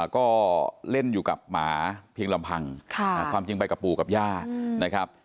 ก็เล่นอยู่กับหมาเพียงลำพังความจริงไปกับปู่กับย่านะครับ